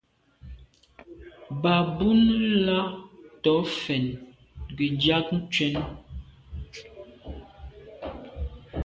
Bɑ̀ búnə́ lá tɔ̌ fɛ̀n ngə ndzɑ̂k ncwɛ́n.